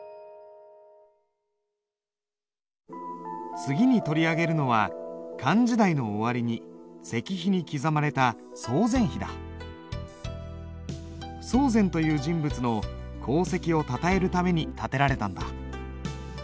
次に取り上げるのは漢時代の終わりに石碑に刻まれた曹全という人物の功績をたたえるために建てられたんだ。